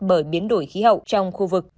bởi biến đổi khí hậu trong khu vực